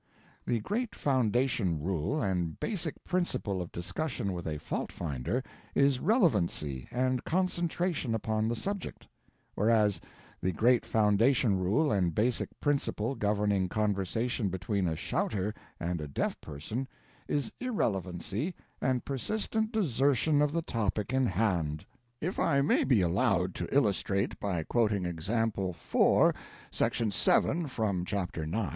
The great foundation rule and basic principle of discussion with a fault finder is relevancy and concentration upon the subject; whereas the great foundation rule and basic principle governing conversation between a shouter and a deaf person is irrelevancy and persistent desertion of the topic in hand. If I may be allowed to illustrate by quoting example IV., section 7 from chapter ix.